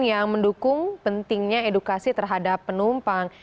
yang mendukung pentingnya edukasi terhadap penumpang